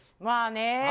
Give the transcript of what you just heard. まあね。